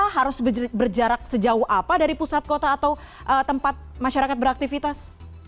harus berjarak sejauh apa dari pusat kota atau tempat masyarakat beraktivitas